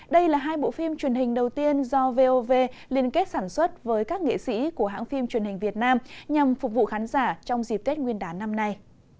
đây là hai bộ phim truyền hình đầu tiên do vov liên kết sản xuất với các nghệ sĩ của hãng phim truyền hình việt nam nhằm phục vụ khán giả trong dịp tết nguyên đán năm nay